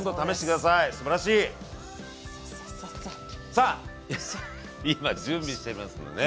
さあ今準備してますのでね